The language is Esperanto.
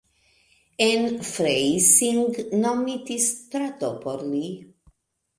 En Freising nomitis strato por li.